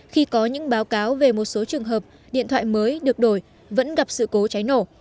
khi có những báo cáo về một số trường hợp điện thoại mới được đổi vẫn gặp sự cố cháy nổ